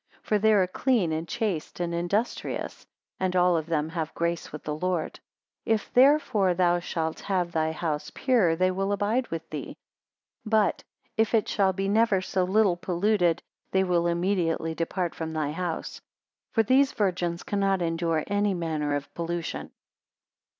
For they are clean and chaste, and industrious; and all of them have grace with the Lord. 18 If therefore thou shalt have thy house pure, they will abide with thee. But, if it shall be never so little polluted, they will immediately depart from thy house; for these virgins cannot endure any manner of pollution.